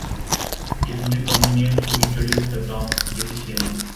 It will be convenient to introduce the term deficiency.